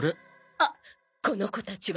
あっこの子たちはその。